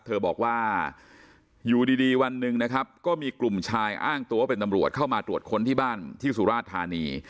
เธอบอกว่าอยู่ดีวันหนึ่งนะครับก็มีกลุ่มชายอ้างตัวเป็นตำรวจเข้ามาตรวจค้นที่บ้านที่สุราชธานี